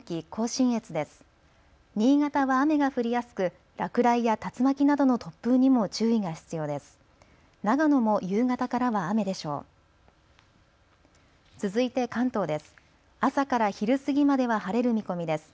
新潟は雨が降りやすく落雷や竜巻などの突風にも注意が必要です。